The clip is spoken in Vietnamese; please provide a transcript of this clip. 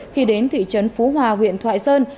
khi đến thị trấn phú hòa huyện thoại sơn